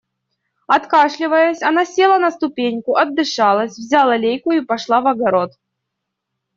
Откашливаясь, она села на ступеньку, отдышалась, взяла лейку и пошла в огород.